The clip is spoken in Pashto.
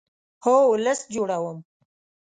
هو، لست جوړوم